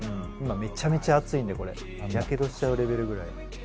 今めちゃめちゃ熱いんでこれやけどしちゃうレベルぐらい。